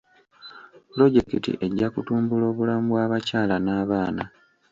Pulojekiti ejja kutumbula obulamu bw'abakyala n'abaana.